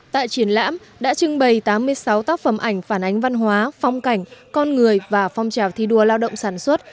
tại triển lãm đã trưng bày tám mươi sáu tác phẩm ảnh phản ánh văn hóa phong cảnh con người và phong trào thi đua lao động sản xuất